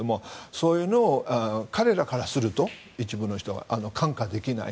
そういうのを彼らからすると一部の人は看過できない。